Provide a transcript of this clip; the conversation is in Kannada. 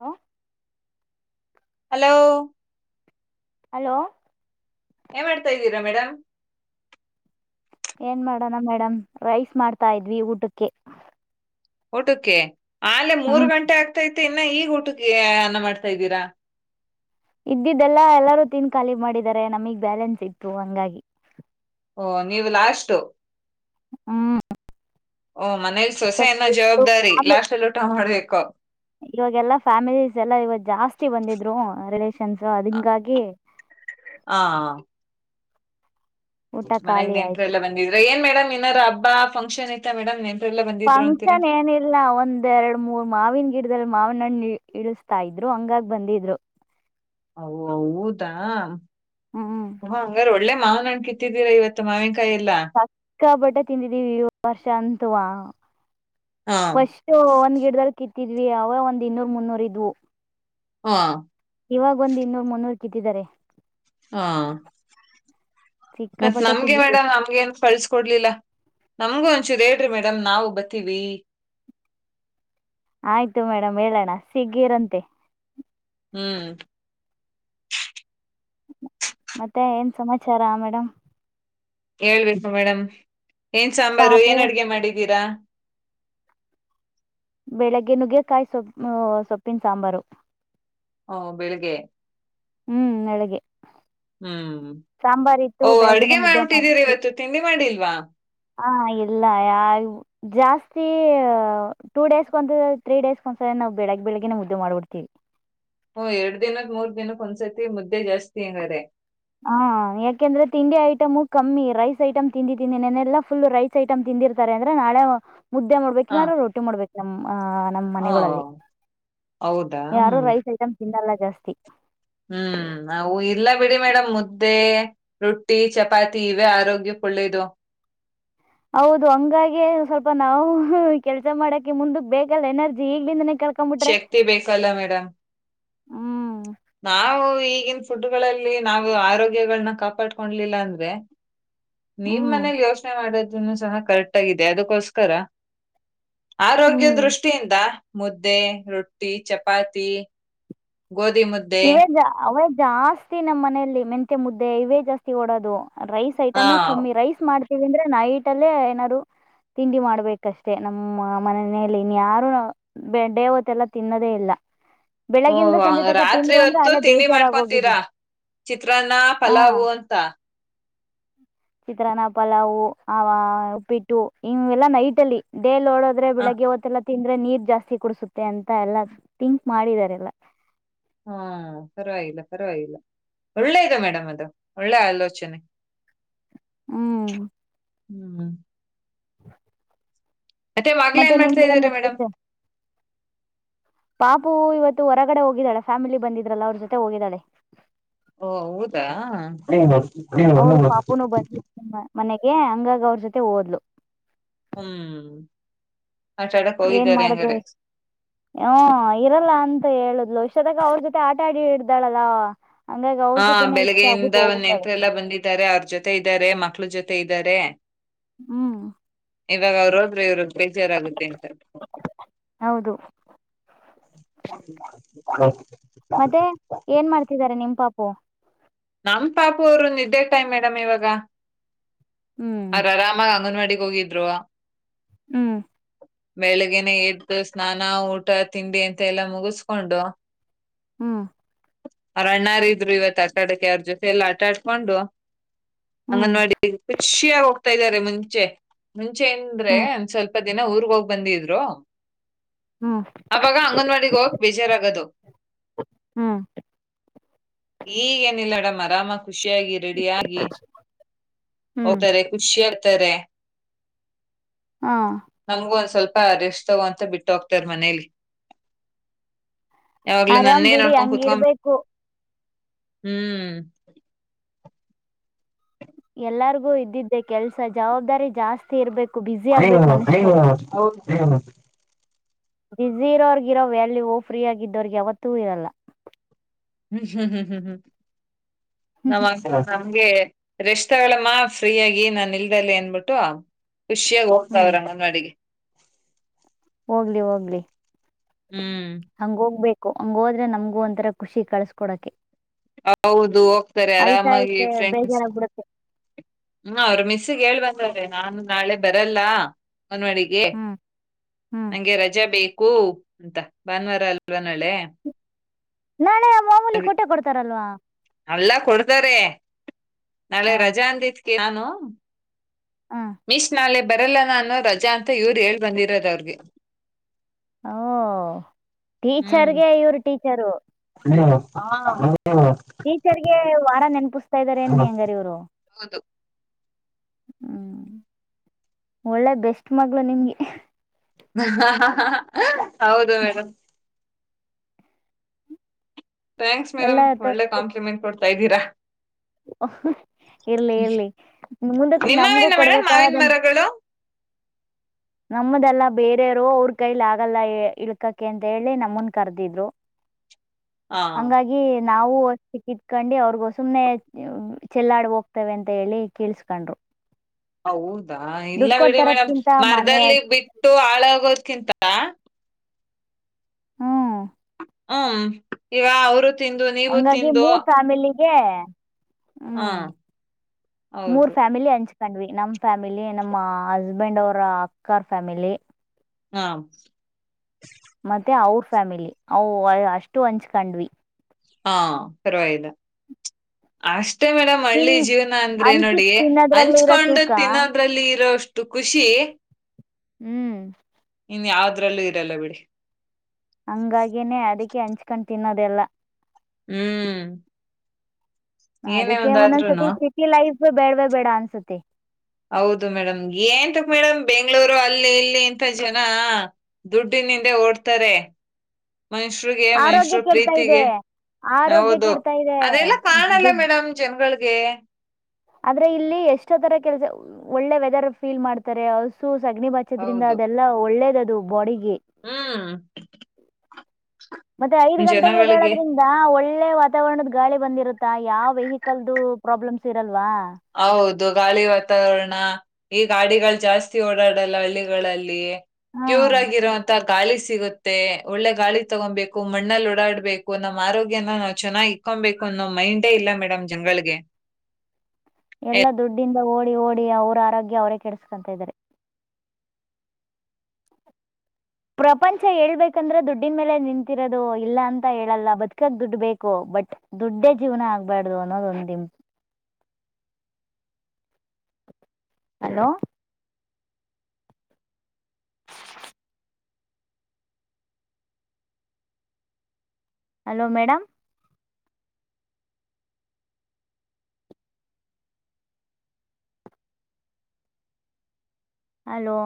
ಹ ಹಲೋ ಹಲೋ ಏಮ ಮಾಡಡ್ತಾ ಇದ್ದೀರಾ ಮೇಡಮ್ ಏನ್ ಮಾಡೋಣ ಮೇಡಮ್ ರೈಸ್ ಮಾಡ್ತಾ ಇದ್ವಿ ಊಟಕ್ಕೆ ಊಟಕ್ಕೆ ಆಲೆ ಮೂರು ಹ್ಮ್ ಗಂಟೆ ಆಗ್ತಾ ಇತ್ತು ಮತ್ತೆ ಇನ್ನ ಈಗ ಊಟಕ್ಕೆ ಅನ್ನ ಮಾಡ್ತಾ ಇದ್ದೀರಾ ಇದ್ದಿದ್ದೆಲ್ಲಾ ಎಲ್ಲಾರೂ ತನ್ ಖಾಲಿ ಮಾಡಿದಿದ್ದಾರೆ ನಮಗ್ ಬ್ಯಾಲೆನ್ಸ್ ಇತ್ತು ಹಂಗಾಗಿ ಓ ನೀವು ಲಾಸ್ಟ್ ಹ್ಮ್ ಓ ಮನೇಲಿ ಸೊಸೆ ಏನೋ ಸ್ವಲ್ಪ ಜವಾಬ್ದಾರಿ ಲಾಸ್ಟ್ ಅಲ್ಲಿ ಊಟ ಮಾಡ್ಬೇಕು ಇವಾಗೆಲ್ಲಾ ಫ್ಯಾಮಿಲೀಸ್ ಎಲ್ಲಾ ಇವಾಗ ಜಾಸ್ತಿ ಬಂದಿದ್ರು ರಿಲಷ ಶಕ್ಷನ್ಸ ಅದ ಹಂಗಾಗಿ ಹಾ ಊಟ ಮನಗ್ ಖಾಲಿ ನೆಂಟ್ರ ಆಯ್ತು ಎಲ್ಲ ಬಂದಿದ್ರೆ ಏನ್ ಮೇಡಮ್ ಇನಾರ ಹಬ್ಬ ಫಂಕ್ಷನ್ ಇತ್ತ ಮೇಡಮ್ ನೆ ಫಂಕ್ಷನ್ ಏನಿಲ್ಲ ಒಂದ್ ಎರಡ್ ಮೂರ್ ಮಾವನ್ ಗಿಡದಲ್ಲಿ ಮಾವನಣ್ಣ ಇಳಿಸತಾ ಇದ್ರು ಹಂಗಾಗ ಬಂದಿದ್ರು ಊದಾ ಹ್ಮ್ ಹಂಗಾರ ಒಳ್ಳೆ ಮಾನ್ ತಿ ರೀವ ತಮ ಪಕ್ಕಾ ಬಟ್ಟೆ ತಿಂದಿದೀವಿ ವರ್ಷ ಅಂತವಾ ಹಾ ಫಸ್ಟ್ ಒಂದ್ ಗಿಡದಲ್ಲಿ ಕ ಇತ್ತಿದ್ವಿ ಅವ ಒಂದ್ ಇನ್ನೂರ್ ಮುನ್ನೂರ ಇದ್ವು ಹಾ ಇವಾಗ ಒಂದ್ ಇನ್ನೂರ್ ಮುನ್ನೂರ್ ಕಿತ್ತಿದ್ದಾರೆ ಹಾ ಮತ್ ಸಿಕ್ಕಾಪಟ್ಟೆ ನಮ್ಗೆ ತಿಂದಿದ್ದೀವಿ ಮೇಡಮ್ ನಮ್ಗೆ ಏನ್ ಕಳ್ಸ್ಕೊಡ್ಲಿಲ್ಲ ನಮ್ಗೂ ಒಂದಚೂರು ಹೇಳ್ರಿ ಮೇಡಮ್ ನಾವು ಬತ್ತೀವಿ ಆಯ್ತು ಮೇಡಮ್ ಹೇಳೋಣ ಸಿಗಿರಂತೆ ಹ್ಮ್ ಮತ್ತೆ ಏನ್ ಸಮಾಚಾರ ಮೇಡಮ್ ಹೇಳ್ಬೇಕು ಮೇಡಮ್ ಏನ್ ಸಾಂಬಾರು ಪಾಪು ಏನ್ ಅಡ್ಗೆ ಮಾಡಿದ್ದೀರಾ [inaudible] ಬೆಳಿಗ್ಗೆ ನುಗ್ಗೆಕಾಯಿ ಸೊ ಸೊಪ್ಪಿನ ಸಾಂಬಾರು ಹಓ ಬೆಳಿಗ್ಗೆ ಹ್ಮ್ ಬೆಳಿಗ್ಗೆ ಹ್ಮ್ ಇತ್ತು ಓ ಬೆಳಗ್ಗೆನೆ ಅಡ್ಗೆ ಮುದ್ದೆ ಮಾಡಿ ಮಾಡ್ಬಿಟ್ಟಿದ್ದೀರಿ ಇವತ್ತು ತಿಂಡಿ ಮಾಡಿಲ್ವಾ ಹಾ ಎಲ್ಲ ಯಾರ ಜಾಸ್ತಿ ಟೂ ಡೇಸ್ಂದ ತ್ರೀ ಡೇಸ್ ಒಂದ್ಸರಿ ನಾವು ಬೆಳಗ್ಗೆ ಬೆಳಿಗ್ ಉದ್ದು ಮಾಡ್ಬಿಡ್ತೀವಿ ಹ ಎರಡ್ ದಿನದ ಮೂರ್ ದಿನಕ್ ಒಂದ್ಸತಿ ಮುದ್ದೆ ಜಾಸ್ತಿ ಹಂಗಾರೆ ಹಾ ಯಾಕೆಂದ್ರೆ ತಿಂಡಿ ಐಟಮು ಕಮ್ಮಿ ರೈಸ್ ಐಟ್ ತಿಂದಿದ್ದೀನಿ ನೆನೆಲ್ಲ ಫುಲ್ ರೈಸ್ ಐಟಮ್ ತಿ ಬಂದಿರ್ತಾರೆ ಅಂದ್ರೆ ನಾಳೆ ಮುದ್ದೆ ಆ, ಮಾಡ್ಬೇಕನಾರ ರೋಟಿ ಮಾಡ್ಬೇಕಕ್ ನಮ್ಮ್ ಅ್ ನಮ್ಮ್ ಆ, ಮನೆಗಳಲ್ಲಿ ಹೌದಾ ಯಾರು ಹ್ಮ್ ರೈಸ್ ಐಟಮ್ ತಿನ್ನಲ್ಲ ಜಾಸ್ತಿ ಹ್ಮ್ ನವು ಇಲ್ಲ ಬಿಡಿ ಮೇಡಮ್ ಮುದ್ದೆ ರೊಟ್ಟಿ ಚಪಾತಿ ಇವೆ ಆರೋಗ್ಯ ಕುಳ್ಳೇದು ಹೌದು ಹಂಗಾಗ ಸ್ವಲ್ಪ ನಾವು ಕೆಲ್ಸ ಮಾಡಕ್ಕೆ ಮುಂದಕ್ ಬೇಕಲ್ಲ ಎನರ್ಜಿ ಈಗ್ಲಿಂದನ ಶಕ್ತಿ ಬೇಕಲ್ಲ ಮೇಡಮ್ ಹ್ಮ್ ನಾವು ಈಗಿನ ಫುಡ್ಗಳಲ್ಲಿ ನಾವು ಆರೋಗ್ಯಗಳನ್ನ ಕಾಪಾಡ್ಕೊಂಡಲಿಲ್ಲ ಅಂದ್ರೆ ನಿಮ್ ಹ್ಮ್ ಮನೆಗ್ ಯೋಚನೆ ಮಾಡೋದನ್ನು ಸಹ ಕರೆಕ್ಟ್ ಆಗಿದೆ ಅದಕ್ಕೋಸ್ಕರ ಆರೋಗ್ಯ ಹ್ಮ್ ದೃಷ್ಟಿಯಿಂದ ಮುದ್ದೆ ರೊಟ್ಟಿ ಚಪಾತಿ ಗೋಧಿ ಮುದ್ದೆ ಇವೇ ಜಾ- ಅವೇ ಜಾಸ್ತಿ ನಮ್ಮ್ ಮನೆಯಲ್ಲಿ ಮೆಂಂತೆ ಮುದ್ದೆ ಇವೇ ಜಾಸ್ತಿ ಓಡೋದು ರೈಸ್ ಹಾ ಐಟಮೇ ಕಮ್ಮಿ ರೈಸ್ ಮಾಡ್ ಅಂದ್ರೆ ನೈಟ್ ಅಲ್ಲೇ ಏನಾದ್ರು ತಿಂಡಿ ಮಾಡ್ಬೇಕಷ್ಟೇ ನಮ್ಮ ಮನೇೆಯಲ್ಲಿ ಇನ್ ಯಾರುಡೇವತ್ತಲ್ಲ ತಿನ್ನೋದೇ ಇಲ್ಲ [inaudible] ಬೆಳಿಗಿಂದ ಸಂಜೆ ತಕ ರತ್ರಿ ಇತ್ತು ತಿಂಡಿ ಮಾಡ್ಕೊತೀರಾ ಚಿತ್ರಾನ್ನ ಹಾ ಪಲಾವ್ ಅಂತ ಚಿತ್ರಾನ್ನ ಪಲಾವು ಆ ಉಪ್ಪಿಟ್ಟು ಇವೆಲ್ಲ ನೈಟ ಅಲ್ಲಿ ಡೇ ನೋಡೋರೆ ಹ ಬೆಳಗ್ಗೆ ವತ್ತ ತಿಂದ್ರೆ ನೀರ್ ಜಾಸ್ತಿ ಕುಡಸುತ್ತೆ ಅಂತ ಎಲ್ಲಾ ತಿಥಿಂಕ್ ಮಾಡಿದಿದ್ದಾರೆ ಎಲ್ಲ ಹ್ಮ ಪರವಾಗಿಲ್ಲ ಪರವಾಗಿಲ್ಲ ಒಳ್ಳೆ ಇದು ಮೇಡಮ್ ಅದು ಒಳ್ಳೆ ಆಲೋಚನೆ [inaudible] ಹ್ಮ್ ಹ್ಮ್ ಮತ್ತೆ ಮಗಳ್ ಮತ್ತು ಏನ್ ಮಾಡ್ತಾ ನಿಮ್ಗೆ ಏನು ಇದಾರೆ ಮೇಡಮ್ ಅನಿಸುತ್ತೆ ಪಾಪು ಇವತ್ತು ಹೊರಗಡೆ ಹೋಗಿದ್ದಾಳೆ ಫ್ಯಾಮಿಲಿ ಬಂದಿದ್ರಲ್ಲ ಅವ್ರ ಜೊತೆ ಹೋಗಿದ್ದಾಳೆ. ಓ ಹೌದಾ [unintelligible] ಅವ್ರ ಪಾಪುನು ಬಂದತ್ತಿ ಮನೆಗೆ ಹಂಗಾಗಿ ಅವ್ರ ಜೊತೆ ಹೋದ್ಲು ಹ್ಮ್ ಆಟ ಆಡಕ್ ಏನ್ ಹೋಗಿದ್ದಾರೆ ಮಾಡುದ್ರು ಹಂಗಾರೆ ಹ್ಮ್ ಇರಲ್ಲ ಅಂತ ಹೇಳದ್ಲು ವಿಷದಾಗ ಅವ್ರ ಜೊತೆ ಆಟ ಆಡಿ ಇಡ್ದಾಳಲ್ಲ ಹಾ ಬೆಳಿಗ್ಗೆಯಿಂದ ನೆಂಟರು ಎಲ್ಲಾ ಬಂದಿದ್ದಾರೆ ಅವ್ರ ಜೊತೆ ಇದ್ದಾರೆ ಮಕ್ಕಳು ಜೊತೆ ಇದ್ದ್ ದ್ದಾರೆ ಹ್ಮ್ ಇವಾಗ ಅವರು ಹೋದ್ರೆ ಇವರು ಬೇಜಾರಾಗುತ್ತೆ ಅಂತ. ಹೌದು ಹೌ ಮತ್ತೆ ಏನ್ ಮಾಡ್ತಿದಿದ್ದಾರೆ ನಿಮ್ ಪಾಪು. ನಮ್ ಪಾಪು ಅವರು ನಿದ್ದೆ ಟೈಮ್ ಮೇಡಮ್ ಇವಾಗ ಹ್ಞೂ ಅವರು ಆರಾಮಾ ಅಂಗನವಾಡಿಗೆ ಹೋಗಿದ್ರು. ಹ್ಮ್ ಬೆಳಿಗ್ಗೆನೆ ಎದ್ದು ಸ್ನಾನ ಊಟ ತಿಂಡಿ ಅಂತ ಎಲ್ಲಾ ಮುಗಿಸಕೊಂಡು. ಹ್ಮ್ ಅವ್ರ ಅಣ್ಣಾರು ಇದ್ರು ಇವತ್ ಆಟಾಡಕ್ಕೆ ಅವರು ಜೊತೆ ಎಲ್ಲಾ ಆಟ ಆಟ್ಕೊಂಡು ಹ್ಮ್ ಅಂಗನವಾಡಿಗೆ ಖುಷಿಯಾಗಿ ಹೋಗ್ತಾ ಇದ್ದಾರೆ ಮುಂಚೆ ಮುಂಚೆ ಅಂದ್ರೆ ಹ್ಮ್ ಒಂದ್ ಸ್ವಲ್ಪ ದಿನ ಊರಿಗೆ ಹೋಗ್ ಬಂದಿದ್ರು. ಹ್ಮ್ ಆವಾಗ ಅಂಗನವಾಡಿಗೆ ಹೋಗೋಕೆ ಬೇಜಾರಾಗದು. ಹ್ಮ್ [inaudible] ಈಗ ಏನಿಲ್ಲ ಮೇಡಮ್ ಆರಾಮ ಖುಷಿಯಾಗಿ ರೆಡಿ ಆಗಿ ಹ್ಮ್ ಹೋತ್ತಾರೆ ಖುಷಿಯ್ ತ್ತಾರೆ ಹಾ ನಮಗು ಒಂದ್ ಸ್ವಲ್ಪ ರೆಸ್ಟ್ ತಗೋ ಅಂತ ಬಿಟ್ಟ್ ಹೋಗ್ತರ್ ಮನೇಲಿ ಯಾವಾಗ್ಲೂ ಆರಾಮ್ ನಾನೆ ಬಿಡಿ ನೋಡ್ಕೊಂಡ್ ಕುತ್ಕೊ ಹಂಗಿರ್ಬೇಕು ಹ್ಮ್ ಎಲ್ಲಾರಿಗೂ ಇದ್ದಿದ್ದೆ ಕೆಲಸ ಜವಾಬ್ದಾರಿ ಜಾಸ್ತಿ ಇರ್ಬೇಕು. ಬಿಸಿ ಆಗ್ಬೇಕು ಮನುಷ್ಯರು ಹೌದ್ ಬಸಿ ಇರೋರ್ಗಿರೋ ವ್ಯಾಲ್ಯವೂ ಫ್ರೀ ಆಗಿದ್ದೋರಿಗೆ ಯಾವತ್ತೂ ಇರಲ್ಲ ಹ್ಮ್ ಹ್ಮ್ ಹ್ಮ್ ಹ್ಮ್ ಹ್ಮ್ ನಮಸ್ ಹಂಗೆ ರೆಸ್ಟ್ ತಗಳಮ್ಮ ಫ್ರೀ ಆಗಿ ನಾನ್ ಇಲ್ದಾಲೆ ಅನ್ಬಿಟ್ಟು ಖುಷಿಯಾಗಿ ಹೋಗ್ತ ಹ್ಮ್ ಅವ್ರ ಅಂಗನವಾಡಿಗೆ ಹೋಗ್ಲಿ ಹೋಗ್ಲಿ ಹ್ಮ್ ಹಂಗ ಹೋಗ್ಬೇಕು ಹಂಗ ಹೋದ್ರೆ ನಮ್ಗೂ ಒಂತರ ಖುಷಿ ಕಳ್ಸ್ಕೊಡಕೆ ಹೌದು ತ್ತಾರೆ ಅಳ್ತಾ ಆರಾಮಾಗಿ ಇದ್ರೆ ಫ್ರೆಂಡ್ಸ್ ಬೇಜಾರಾಗ್ಬಿಡುತ್ತೆ ಹೂ ಅವರು ಮಿಸ್ಸ್ಗೆ ಹೇಳ್ ಬಂದ್ ನಾನು ನಾಳೆ ಬರಲ್ಲ ಅಂಗನವಾಡಿಗೆ ಹ್ಮ್ ಹ್ಮ್ ನಂಗೆ ರಜೆ ಬೇಕ್. ಕು ಅಂತ ಭಾನುವಾರ ಅಲ್ವಾ ನಾಳೆ ನಾಳೆ ಮಾಮೂಲಿ ಕೊಟ್ಟೆ ಕೊಡ್ತಾರಲ್ಲಾ ಅಲ್ಲ ಕೊಡ್ತಾರೆ ನಾಳೆ ರಜಾ ಅಂದಿದ್ಕೆ ನಾನು ಹ ಮಿಸ್ ನಾಳೆ ಬರಲ್ಲ ನಾನು ರಜಾ ಅಂತ ಇವ್ರು ಹೇಳ್ ಬಂದಿರೋದ ಅವ್ರಿಗೆ ಓ ಟೀಚರ್ ಗೆ ಇವರು ಟೀಚರು ಹ್ಮ ಹ ಟೀಚರ್ಗೆ ವಾರ ನೆನಪಿಸ್ತಾ ಇದ್ದಾರೆ ಅನಿ ಹಂಗಾರೆ ಇವ್ರು ಹೌದು ಹ್ಮ್ ಒಳ್ಳೆ ಬೆಸ್ಟ್ ಮಗಳು ನಿಮಗೆ ಹ ಹ ಹ ಹೌದು ಮೇಡಮ್ ಥ್ಯಾಂಕ್ಸ್ ಎಲ್ಲ ಮೇಡಮ್ ಒಳ್ಳೆ ಕಾಂಪ್ಲಿಮೆಂಟ್ ಕೊಡ್ತಾ ಇದ್ದೀರಾ ಇರ್ಲಿ ಇರ್ಲಿ ಮುಂದಕ್ಕೆ ನಮಗೂ ನಿಮ್ಮವೇನ ಮೇಡಮ್ ಮಾವಿನ ಕೊಡ್ಬೇಕದಂತ ಮರಗಳು ನಮ್ಮದೆಲ್ಲ ಬೇರೆಯವರು ಅವ್ರ ಕೈಲಿ ಆಗಲ್ಲ ಇಳ್ಕಕ ಅಂತ ಹೇಳಿ ನಮ್ಮನ್ ಕರ್ದಿದ್ರು [inaudible] ಹಾ ಹಂಗಾಗಿ ನಾವು ಅಷ್ಟಕ್ಕಿತ್ಕೊಂಡು ಅವ್ರಗ ಸುಮ್ನೆ ಚೆಲ್ಲಾಡ ಹೋಗ್ತೇವೆ ಅಂತ ಹೇಳಿ ಕೇಳ್ಸ್ಕೊಂಡರು ಹೌದಾ ಇಲ್ಲ ಬಿಡಿ ಮೇಡಂ ಮನೆ ಮರದಲ್ಲಿ ಬಿಟ್ಟು ಆಳಾಗೋದ್ಕಿಂತ ಹ್ಮ್ ಹ್ಮ್ ಈವ ಅವರು ತಿಂದು ನೀವು ಹಂಗಾಗಿ ತಿಂದು ಮೂರ್ ಫ್ಯಾಮಿಲಿಗೆ ಹಾ ಹ್ಮ್ ಹೌದು ಕಂಡ್ವಿ ನಮ್ ಫ್ಯಾಮಿಲಿ ನಮ್ಮ ಹಸ್ಬೆಂಡ್ ಅವರ ಅಕ್ಕ ಫ್ಯಾಮಿಲಿ ಹಾ ಮತ್ತೆ ಅವ್ರ ಫ್ಯಾಮಿಲಿ ಅ ಅಷ್ಟು ಹಂಚ್ಕಂಡ್ವಿ ಹಾ ಪರ್ವಾಗಿಲ್ಲ ಅಷ್ಟ ಅಷ್ಟೇ ಮೇಡಂ ಹಳ್ಳಿ ತಿನ್ ಜೀವನ ಅಂದ್ರೆ ಹಂಚಿ ನೋಡಿ ತಿನ್ನೋದ್ರಲ್ಲಿ ಇರೋ ಹಂಚ್ಕೊಂಡು ಸುಖ ತಿನ್ನೋದ್ರಲ್ಲಿ ಇರೋಷ್ಟು ಖುಷಿ ಹ್ಮ್ ಇನ್ಯದ್ರಲ್ಲೂ ಇರಲ್ಲ ಬಿಡಿ ಹಂಗಾಗಿನೆ ಅದಕ್ಕೆ ಹಂಚ್ಕೊಂಡ್ ತಿನ್ನೋದೆಲ್ಲ ಹ್ಮ್ ಏನೇ ಅದಕ್ಕೆ ಒಂದಾದ್ರುನು ಒಂದನ್ಸತಿ ಸಿಟಿ ಲೈಫ್ ಬೇಡವೇ ಬೇಡ ಅನ್ಸತಿ ಹೌದು ಮೇಡಂ ಏನ್ಂತಕ್ ಮೇಡಮ್ ಬೆಂಗಳೂರು ಅಲ್ಲಿ ಇಲ್ಲಿ ಇಂತ ಜನ ದುಡ್ಡ ನಿಂದೆ ಓಡ್ತಾರೆ ಮನುಷ್ಯರಿಗೆ ಆರೋಗ್ಯ ಮನುಷ್ಯರು ಕೆಡ್ತಾ ಪ್ರೀತಿಗೆ ಇದೆ ಆರೋಗ್ಯ ಹೌದು ಕೆಡ್ತಾ ಇದೆ ಅದೆಲ್ಲ ಕಾಣಲ್ಲ ಮೇಡಮ್ ಜನಗಳಿಗೆ ಆದಂದ್ರೆ ಇಲ್ಲಿ ಎಷ್ಟೋ ತರ ಕೆಲಸ ಒಳ್ಳೆ ವೆದರ್ ಫೀಲ್ ಮಾಡ್ತಾರೆ ಸಗಣಿ ಬಚ್ಚದ್ರಿಂದ ಹೌದು ಅದೆಲ್ಲ ಒಳ್ಳೇದ ಅದು ಬಾಡಿ ಹ್ಮ್ ಮತ್ತೆ ಐದ್ ಗಂಟೆಗೆ ಜನಗಳಿಗೆ ಎದ್ದೇಳೋದ್ರಿಂದ ಒಳ್ಳೆ ವಾತಾವರಣದ ಗಾಳಿ ಬಂದಿರುತ್ತಾ ಯಾವ ವೆಹಿಕಲ್ದು ಪ್ರಾಬ್ಲಮ್ಸ್ ಇರಲ್ಲ ಹೌದು ಗಾಳಿ ವಾತಾವರಣ ಈ ಗಾಡಿಗಳು ಜಾಸ್ತಿ ಓಡಾಡಲ್ಲ ಹಳ್ಳಿಗಳಲ್ಲಿ ಹಾಂ ಕ್ಯೂರ್ ಆಗಿರಂತ ಗಾಳಿ ಸಿಗುತ್ತೆ ಒಳ್ಳೆ ಗಾಳಿ ತಗೊಬೇಕು ಮಣ್ಣಲ್ಲಿ ಓಡಾಡ್ಬೇಕು ನಮ್ಮ್ ಆರೋಗ್ಯನ ನಾವ್ ಚೆನ್ನಾಗಿ ಕೊಬೇಕು ಅನ್ನೋ ಮೈಂಡೇ ಇಲ್ಲ ಮೇಡಮ್ ಜನ್ಗಳಿಗೆ ಎಲ್ಲ ದುಡ್ಡಿಂದ ಓಡಿ ಓಡಿ ಅವ್ರ ಆರೋಗ್ಯ ಅವರೇ ಕೆಡಸ್ಕೊತ ಇದಾರೆ ಪ್ರಪಂಚ ಹೇಳ್ಬೇಕಂದ್ರೆ ದುಡ್ಡನ ಮೇಲೆ ನಿಂತಿರೋದು ಇಲ್ಲ ಅಂತ ಹೇಳಲ್ಲ ಬದುಕಕ್ ದುಡ್ ಬೇಕು ಬಟ್ ದುಡ್ಡೇ ಜೀವನ ಆಗ್ಬಾರ್ದು ಅನ್ನೋದ ಒಂದ ನಿಮ್ ಹ [inaudible] ಹಲೋ ಹಲೋ ಮೇಡಮ್ ಹಲೋ